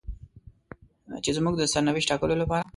چې زموږ د سرنوشت ټاکلو لپاره.